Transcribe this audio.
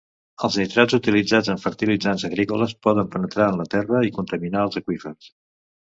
Els nitrats utilitzats en fertilitzants agrícoles poden penetrar en la terra i contaminar els aqüífers.